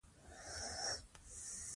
هغه عرض پاڼې ته سترګې نیولې دي.